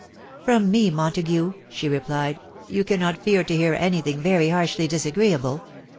c'From me, Montague," she seplicd, "you cannot sSoar to hear any thing very harshly disagreeable.